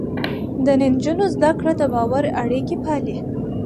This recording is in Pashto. د نجونو زده کړه د باور اړيکې پالي.